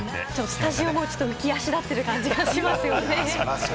スタジオも浮き足立ってる感じがしますね。